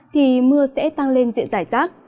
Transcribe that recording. thì mưa sẽ tăng lên diện giải tác